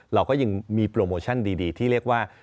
เราก็ยังมีโปรโมชั่นดีที่เรียกว่า